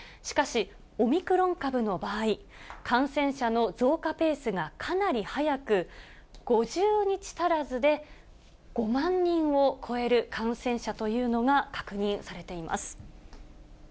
しかし、オミクロン株の場合、感染者の増加ペースがかなり速く、５０日足らずで５万人を超える感染者というのが確認されています。